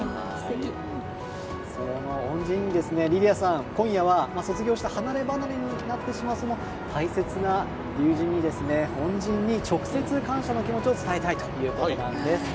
その恩人にリリアさん今夜は卒業して離れ離れになってしまうその大切な友人に恩人に直接感謝の気持ちを伝えたいということなんです。